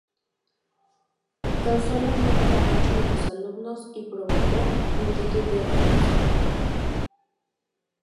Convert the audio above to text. Causó la muerte a ocho de los alumnos y provocó multitud de heridos.